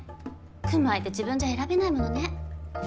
組む相手自分じゃ選べないものね。